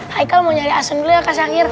kak hekal mau nyari asun dulu ya kak syakir